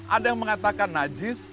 ada yang mengatakan najis